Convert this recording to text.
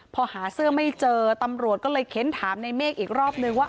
พอหาเสื้อไม่เจอตำรวจก็เลยเค้นถามในเมฆอีกรอบนึงว่า